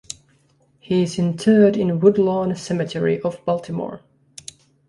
He is interred in Woodlawn Cemetery of Baltimore.